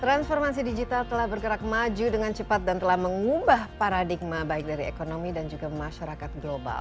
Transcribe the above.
transformasi digital telah bergerak maju dengan cepat dan telah mengubah paradigma baik dari ekonomi dan juga masyarakat global